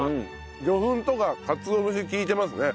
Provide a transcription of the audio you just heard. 魚粉とかかつお節利いてますね。